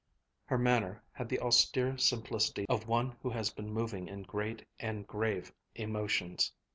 Her manner had the austere simplicity of one who has been moving in great and grave emotions.